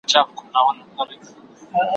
وهم ئې چيري ږغ ئې د کومه ځايه راپورته کېږي.